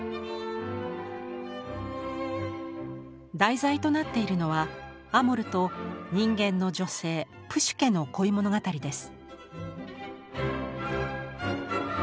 題材となっているのはアモルと人間の女性プシュケの恋物語です。